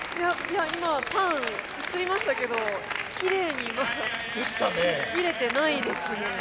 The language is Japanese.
今パン映りましたけどきれいにちぎれてないですね。